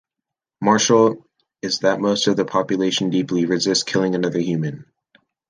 Marshall, is that most of the population deeply resists killing another human.